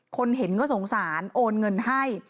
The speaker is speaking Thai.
คนเห็นก็สงสารโอนเงินให้